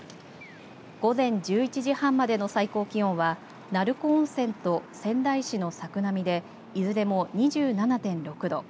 午前１１時半までの最高気温は鳴子温泉と仙台市の作並でいずれも２７．６度